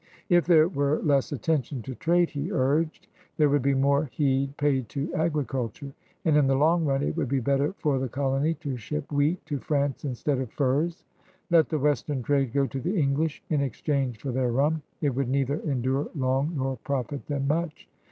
If there were less attention to trade, he urged, there would be more heed paid to agriculture, and in the long run it would be better for the colony to ship wheat to France instead of furs. '^Let the western trade go to the English in exchange for their rum; it would neither endure long nor profit them much."